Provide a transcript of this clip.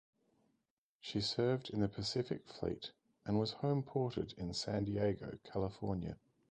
She served in the Pacific Fleet and was homeported in San Diego, California.